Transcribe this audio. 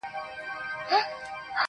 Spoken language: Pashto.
زما دي دلته په ځنگلونو کي غړومبی وي!.